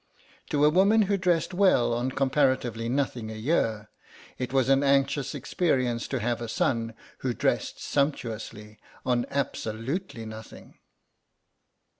To a woman who dressed well on comparatively nothing a year it was an anxious experience to have a son who dressed sumptuously on absolutely nothing.